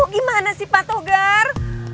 gimana sih patokgar